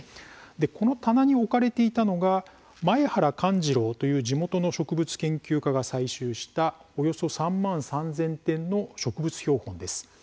この棚に置かれていたのが前原勘次郎という地元の植物研究家が採集したおよそ３万３０００点の植物標本です。